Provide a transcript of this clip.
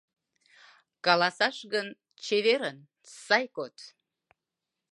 Каласаш гын: «Чеверын, сай код!»